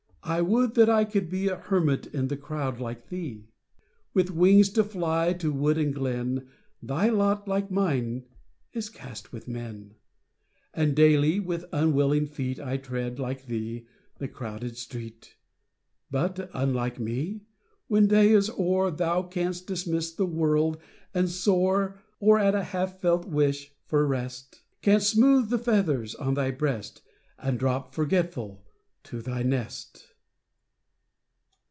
I would that I could be A hermit in the crowd like thee ! With wings to fly to wood and glen, Thy lot, like mine, is .cast with men; And daily, with unwilling feet, 1 tread, like thee, the crowded street ; But, unlike me, when day is o'er. Thou canst dismiss the world and soar, Or, at a half felt wish for rest. Canst smooth the feathers on thy breast, And drop, forgetful, to thy nest.